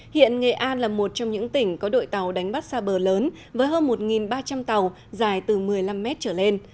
hiện nghệ an là một trong những tỉnh có đội tàu đánh bắt xa bờ lớn với hơn một ba trăm linh tàu dài từ một mươi năm mét trở lên